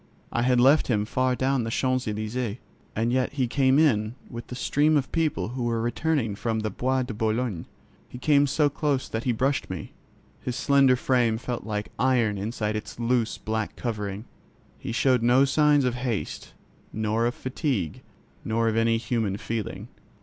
I had left him far down the Champs Elysķes, and yet he came in with a stream of people who were returning from the Bois de Boulogne. He came so close that he brushed me. His slender frame felt like iron inside its loose black covering. He showed no signs of haste, nor of fatigue, nor of any human feeling.